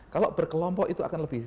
kalau berkelompok itu akan lebih